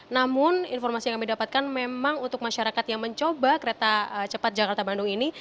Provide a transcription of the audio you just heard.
namun informasi yang kami dapatkan memang untuk masyarakat yang mencoba kereta cepat jakarta bandung ini